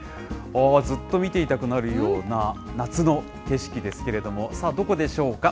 ずっと見ていたくなるような、夏の景色ですけれども、さあ、どこでしょうか。